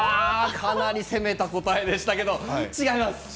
かなり攻めた答えでしたけれども違います。